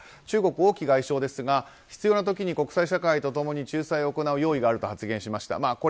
中国、王毅外相ですが必要な時に国際社会と共に仲裁を行う用意があると発言しました。